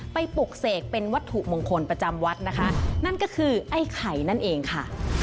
ปลุกเสกเป็นวัตถุมงคลประจำวัดนะคะนั่นก็คือไอ้ไข่นั่นเองค่ะ